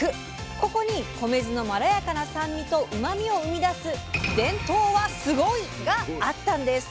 ここに米酢のまろやかな酸味とうまみを生み出す伝統はスゴイ！があったんです。